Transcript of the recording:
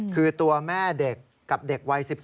คือตัวแม่เด็กกับเด็กวัย๑๖